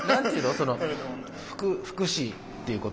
その福祉っていうこと？